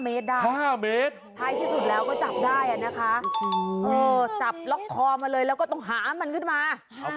เออจับล็อกคอมันเลยแล้วก็ต้องหามันขึ้นมา